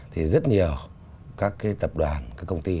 thì rất nhiều các tập đoàn các công ty